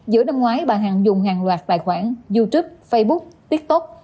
giữa năm ngoái bà hằng dùng hàng loạt tài khoản youtube facebook tiktok